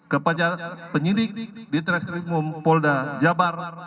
kepada penyidik di transkrip pol dajabar